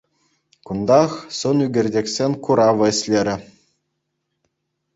Кунтах сӑнӳкерчӗксен куравӗ ӗҫлерӗ.